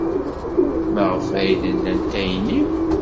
Maɣef ay d-nnant ayenni?